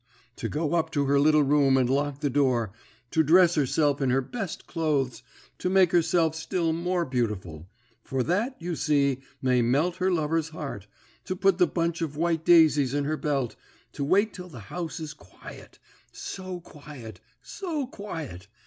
To go up to her little room and lock the door, to dress herself in her best clothes, to make herself still more beautiful for that, you see, may melt her lover's heart to put the bunch of white daisies in her belt, to wait till the house is quiet so quiet, so quiet!